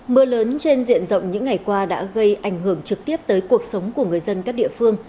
mưa lớn trên diện rộng những ngày qua đã gây ảnh hưởng trực tiếp tới cuộc sống của người dân các địa phương